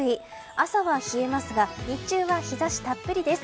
朝は冷えますが日中は日差したっぷりです。